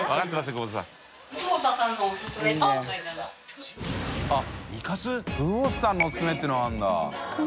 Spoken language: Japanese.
久保田さんのおすすめ」っていうのがあるんだ。